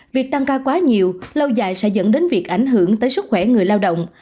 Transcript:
việc tăng ca quá nhiều lâu dài sẽ dẫn đến việc ảnh hưởng tới sức khỏe người lao động